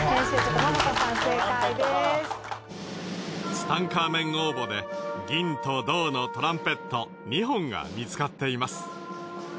ツタンカーメン王墓で銀と銅のトランペット２本が見つかっています。